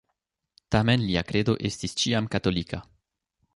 Tamen lia kredo estis ĉiam katolika.